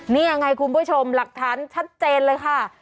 นี่ยังไงคุณผู้ชมหลักฐานชัดเจนเลยค่ะ